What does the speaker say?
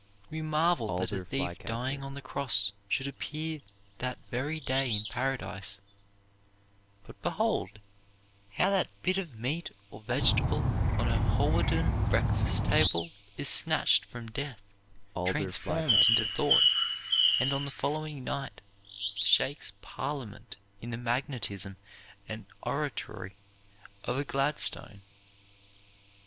We marvel that a thief dying on the cross should appear that very day in Paradise; but behold how that bit of meat or vegetable on a Hawarden breakfast table is snatched from Death, transformed into thought, and on the following night shakes Parliament in the magnetism and oratory of a Gladstone.